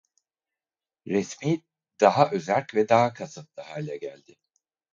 Resmi daha özerk ve daha kasıtlı hale geldi.